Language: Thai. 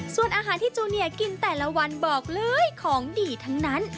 ส่วนอาหารที่จูเนียกินแต่ละวันบอกเลยของดีทั้งนั้น